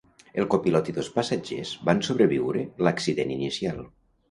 El copilot i dos passatgers van sobreviure l'accident inicial.